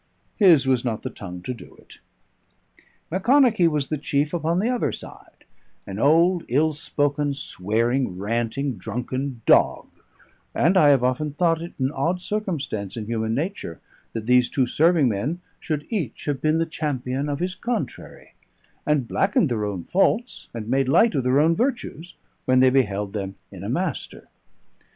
His was not the tongue to do it. Macconochie was chief upon the other side; an old, ill spoken, swearing, ranting, drunken dog; and I have often thought it an odd circumstance in human nature that these two serving men should each have been the champion of his contrary, and blackened their own faults, and made light of their own virtues, when they beheld them in a master.